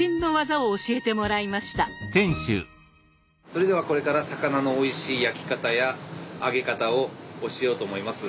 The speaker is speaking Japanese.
それではこれから魚のおいしい焼き方や揚げ方を教えようと思います。